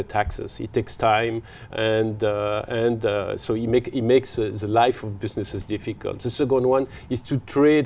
phát triển cho rằng